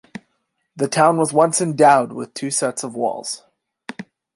The town was once endowed with two sets of walls.